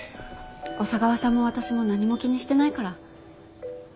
小佐川さんも私も何も気にしてないから。